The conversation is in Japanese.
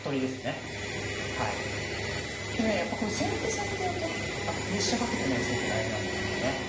でねやっぱこれ先手先手を取っててあとプレッシャーかけてんのがすごく大事なんですよね。